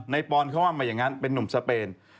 ในปรณเข้ามาอย่างนั้นเป็นนุ่งสเพน